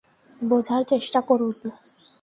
বোঝার চেষ্টা করুন।